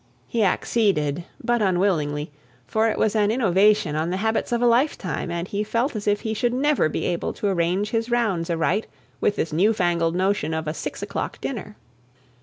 He acceded, but unwillingly, for it was an innovation on the habits of a lifetime, and he felt as if he should never be able to arrange his rounds aright with this new fangled notion of a six o'clock dinner.